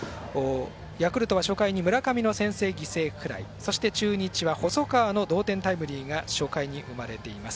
ヤクルトは初回に村上の先制犠牲フライそして中日は細川の同点タイムリーが初回に生まれています。